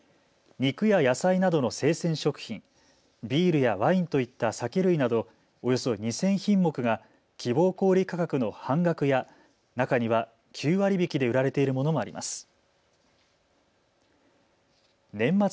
肉や野菜などの生鮮食品、ビールやワインといった酒類などおよそ２０００品目が希望小売価格の半額や中には９割引きで売られているものもあります。